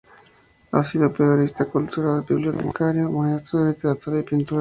Ha sido periodista cultural, bibliotecario, maestro de literatura y pintura.